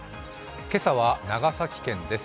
今朝は長崎県です